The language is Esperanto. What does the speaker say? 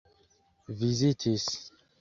vizitis